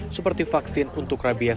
seperti vaksin untuk rabia